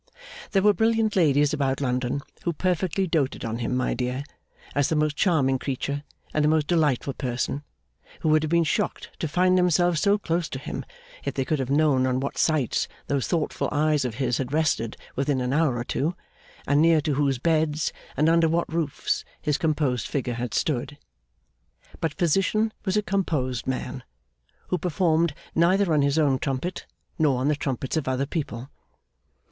There were brilliant ladies about London who perfectly doted on him, my dear, as the most charming creature and the most delightful person, who would have been shocked to find themselves so close to him if they could have known on what sights those thoughtful eyes of his had rested within an hour or two, and near to whose beds, and under what roofs, his composed figure had stood. But Physician was a composed man, who performed neither on his own trumpet, nor on the trumpets of other people.